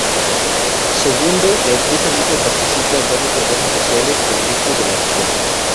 Segundo, la empresa misma participa en varias programas sociales, proyectos de la región.